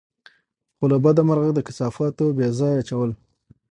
خو له بده مرغه، د کثافاتو بېځايه اچول